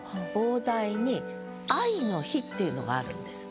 っていうのがあるんです。